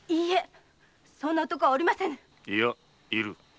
そんな男はおりませぬ居る。